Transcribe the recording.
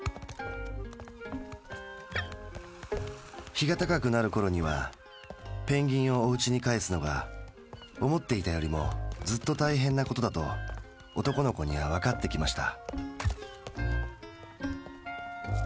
日が高くなるころにはペンギンをおうちに帰すのが思っていたよりもずっと大変なことだと男の子にはわかってきました。